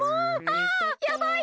あやばい！